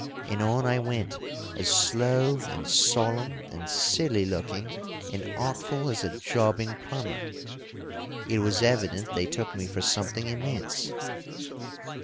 And on I went as slow and solemn and silly looking and artful as a jobbing plumber. It was evident they took me for something immense.